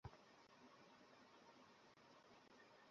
কীভাবে বলছো, মিমি?